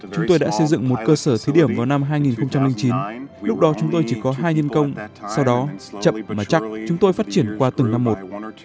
chúng tôi đã xây dựng một cơ sở thí điểm vào năm hai nghìn chín lúc đó chúng tôi chỉ có hai nhân công sau đó chậm mà chắc chúng tôi phát triển qua từng năm một